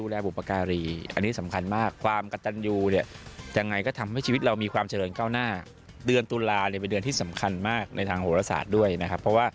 เลขเด็ดก็คือเลข๕กับเลข๑๙